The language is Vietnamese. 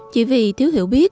chỉ vì thiếu hiệu bệnh